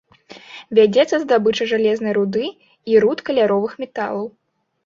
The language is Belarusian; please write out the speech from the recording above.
Вядзецца здабыча жалезнай руды і руд каляровых металаў.